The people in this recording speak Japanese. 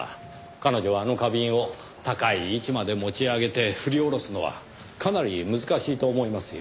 彼女があの花瓶を高い位置まで持ち上げて振り下ろすのはかなり難しいと思いますよ。